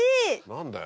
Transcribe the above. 何だよ。